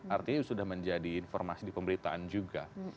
artinya sudah menjadi informasi di pemberitaan juga